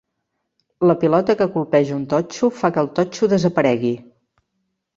La pilota que colpeja un totxo fa que el totxo desaparegui.